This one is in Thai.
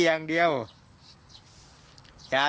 อยากเลิกเล่า